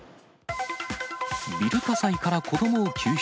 ビル火災から子どもを救出。